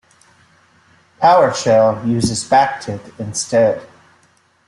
PowerShell uses backtick instead.